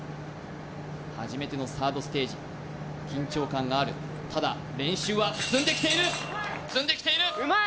初めてのサードステージ緊張感があるただ練習は積んできているうまい！